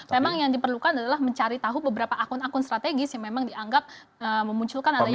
memang yang diperlukan adalah mencari tahu beberapa akun akun strategis yang memang dianggap memunculkan adanya